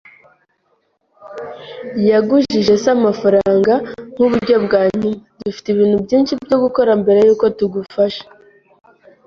Yagujije se amafaranga nkuburyo bwa nyuma. Dufite ibintu byinshi byo gukora mbere yuko tugufasha.